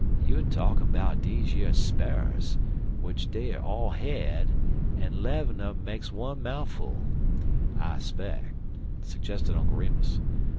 "You er talkin' 'bout deze yer sparrers, w'ich dey er all head, en 'lev'm un makes one mouffle,*2 I speck," suggested Uncle Remus.